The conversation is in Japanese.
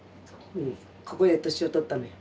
ここで年を取ったのよ。